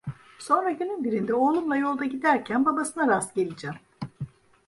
Sonra günün birinde oğlumla yolda giderken babasına rastgeleceğim.